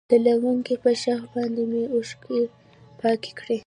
د لونگۍ په شف باندې مې اوښکې پاکې کړي.